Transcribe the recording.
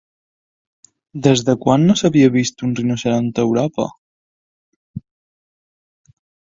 Des de quan no s'havia vist un rinoceront a Europa?